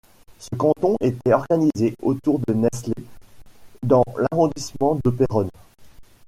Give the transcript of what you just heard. Ce canton était organisé autour de Nesle dans l'arrondissement de Péronne.